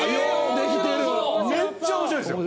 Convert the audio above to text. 面めっちゃ面白いですよ。